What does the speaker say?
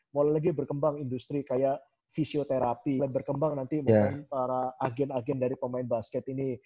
mulai lagi berkembang industri kayak fisioterapi yang berkembang nanti mungkin para agen agen dari pemain basket ini